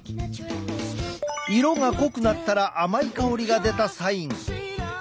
色が濃くなったら甘い香りが出たサイン。